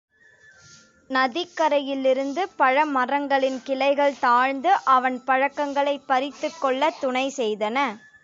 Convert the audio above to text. நதிக்கரையிலிருந்து பழமரங்களின் கிளைகள் தாழ்ந்து அவன் பழங்களைப் பறித்துக் கொள்ளத் துணைசெய்தன.